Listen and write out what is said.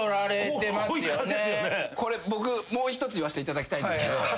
これ僕もう一つ言わしていただきたいんですけど。